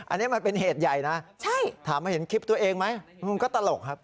อันนี้มันเป็นเหตุใหญ่นะถามว่าเห็นคลิปตัวเองไหมมันก็ตลกครับ